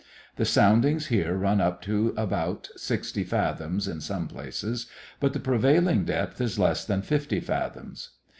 The soundings here run up to about sixty fathoms in some places, but the prevailing depth is less than fifty fathoms.